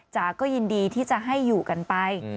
จ๋าก็ยินดีที่จะให้อยู่กันไป